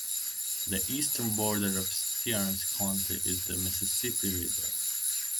The eastern border of Stearns County is the Mississippi River.